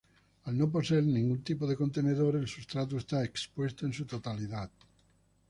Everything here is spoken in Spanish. Al no poseer ningún tipo de contenedor el sustrato está expuesto en su totalidad.